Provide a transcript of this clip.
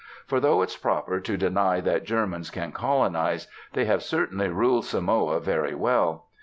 For, though it's proper to deny that Germans can colonise, they have certainly ruled Samoa very well.